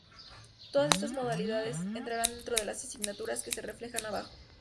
Todas estas modalidades, entrarán dentro de las asignaturas que se reflejan abajo.